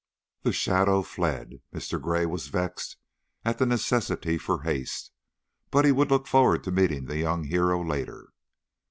The shadow fled. Mr. Gray was vexed at the necessity for haste, but he would look forward to meeting the young hero later.